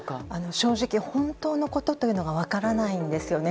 正直、本当のことというのが分からないんですよね。